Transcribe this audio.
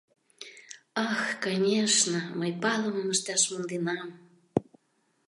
— Ах, конешне, мый палымым ышташ монденам.